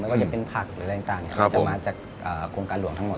ว่าจะเป็นผักหรืออะไรต่างครับจะมาจากโครงการหลวงทั้งหมด